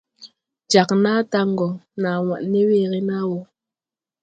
Jag nàa daŋ gɔ na waɗ ne weere nàa wɔ.